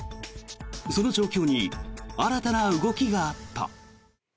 その状況に新たな動きがあった。